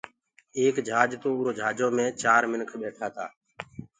ايڪ جھاجِ تو اُرو جھآجو مي چآر منک ٻيٺآ تآ